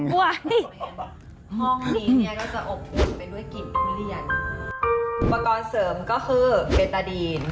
ห้องนี้เนี่ยก็จะอบกลุ่มไปด้วยกลิ่นทุเรียน